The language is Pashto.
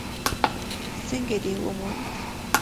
_څنګه دې وموند؟